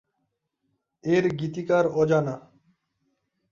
এর গীতিকার অজানা।